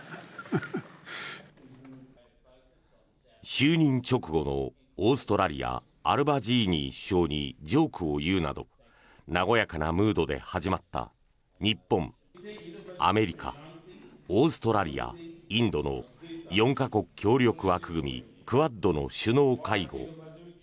就任直後のオーストラリアアルバニージー首相にジョークを言うなど和やかなムードで始まった日本、アメリカオーストラリア、インドの４か国協力枠組み、クアッドの首脳会合。